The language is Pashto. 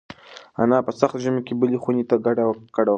انا په سخت ژمي کې بلې خونې ته کډه وکړه.